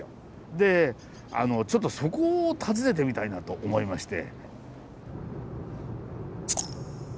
でちょっとそこを訪ねてみたいなと思いまして。